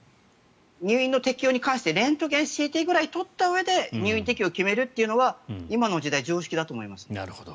入院の適用に関してレントゲン、ＣＴくらい撮ったうえで入院適用を決めるというのは今の時代常識だと思います。